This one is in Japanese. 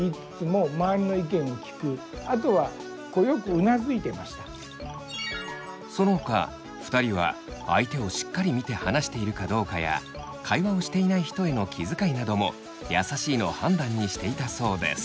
あとはそのほか２人は相手をしっかり見て話しているかどうかや会話をしていない人への気遣いなども優しいの判断にしていたそうです。